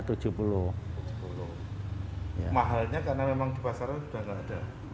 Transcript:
mahalnya karena memang di pasaran sudah tidak ada